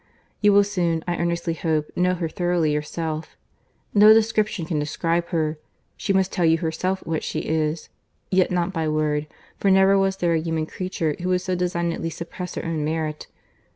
You will soon, I earnestly hope, know her thoroughly yourself.—No description can describe her. She must tell you herself what she is—yet not by word, for never was there a human creature who would so designedly suppress her own merit.